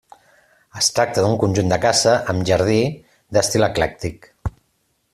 Es tracta d'un conjunt de casa amb jardí, d'estil eclèctic.